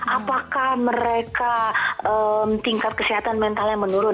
apakah mereka tingkat kesehatan mentalnya menurun